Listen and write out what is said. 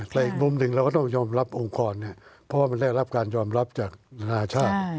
แต่อีกมุมหนึ่งเราก็ต้องยอมรับองค์กรเพราะว่ามันได้รับการยอมรับจากนานาชาติ